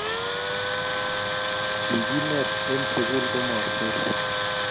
kikinet en sukul komasir